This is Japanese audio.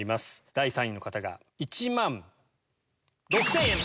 第３位の方が１万６０００円！